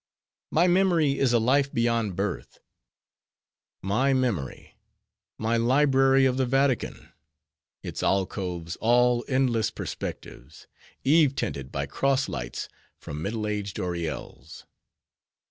My memory is a life beyond birth; my memory, my library of the Vatican, its alcoves all endless perspectives, eve tinted by cross lights from Middle Age oriels.